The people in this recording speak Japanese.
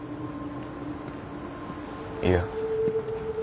いや。